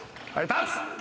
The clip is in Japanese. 立つ！